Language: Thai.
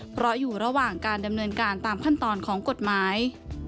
เพราะอยู่ระหว่างการดำเนินการตามขั้นตอนของกฎหมาย